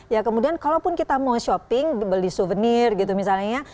ya kemudian kalaupun kita mau shopping beli souvenir gitu misalnya ya